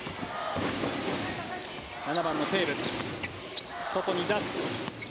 ７番のテーブス外に出す。